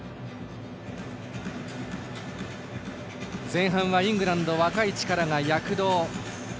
前半はイングランド若い力が躍動。